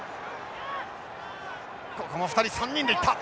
ここも２人３人で行った！